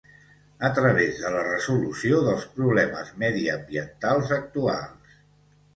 a través de la resolució dels problemes mediambientals actuals